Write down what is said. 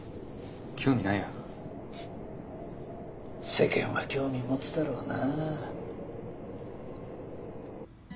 世間は興味持つだろうな。